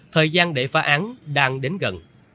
thời gian để phá án đang đến gần